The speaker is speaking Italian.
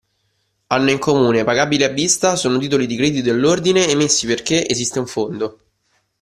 Hanno in comune: pagabili a vista, sono titoli di credito all'ordine, emessi perché esiste un fondo.